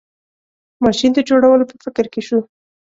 ماشین د جوړولو په فکر کې شو.